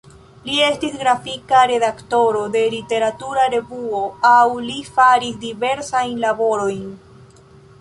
Li estis grafika redaktoro de literatura revuo aŭ li faris diversajn laborojn.